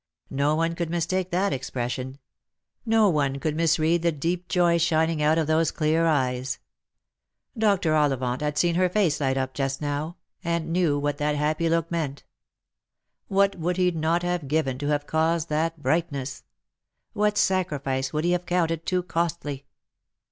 No one could mistake that expression; no one could misread the deep joy shining out of those clear eyes. Dr. Ollivant had seen her face light up just now, and knew what that happy look meant. What would he not have given to have caused that brightness P What sacrifice would he have counted too costly